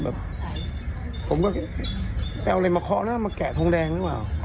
ผมก็เอาอะไรมาเคาะนะมาแกะทงแดงนึกว่า